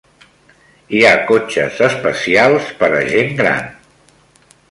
Hi ha cotxes especials per a gent gran.